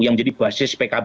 yang jadi basis pkb